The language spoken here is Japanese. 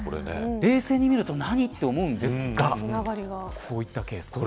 冷静に見ると何と思うのですがこういったケースです。